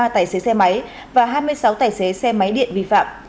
bốn chín trăm sáu mươi ba tài xế xe máy và hai mươi sáu tài xế xe máy điện vi phạm